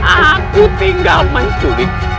aku tinggal mencuri